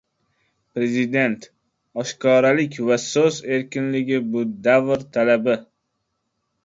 Prezident: "Oshkoralik va so‘z erkinligi bu — davr talabi"